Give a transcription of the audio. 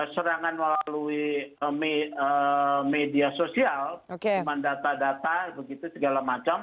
serangan melalui media sosial data data segala macam